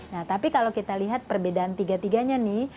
nah tapi kalau kita lihat perbedaan tiga tiganya nih